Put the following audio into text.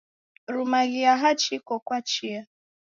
Rumaghia hachi iko kwa chia